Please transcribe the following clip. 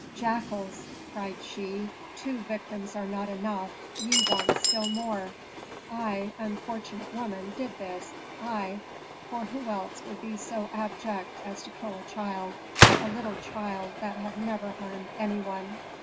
"Jackals," cried she, "two victims are not enough; ye want still more. I, unfortunate woman, did this; I, for who else would be so abject as to kill a child a little child that had never harmed any one?"